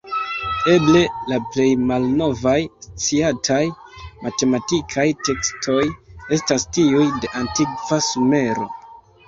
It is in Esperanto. Eble la plej malnovaj sciataj matematikaj tekstoj estas tiuj de antikva Sumero.